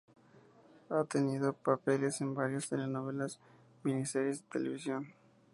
Ha tenido papeles en varias telenovelas y miniseries de televisión.